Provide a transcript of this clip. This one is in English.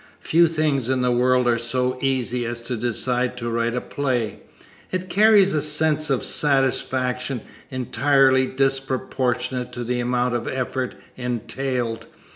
Few things in the world are so easy as to decide to write a play. It carries a sense of satisfaction entirely disproportionate to the amount of effort entailed.